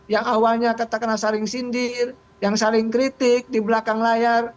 yang awalnya kata kata saring sindir yang saring kritik di belakang layar